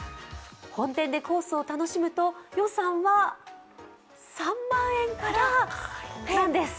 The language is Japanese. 本店でコースを楽しむと予算は３万円からなんです。